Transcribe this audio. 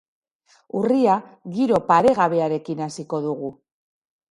Urria giro paregabearekin hasiko dugu.